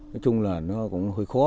nói chung là nó cũng hơi khó